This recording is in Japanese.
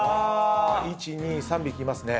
１２３匹いますね。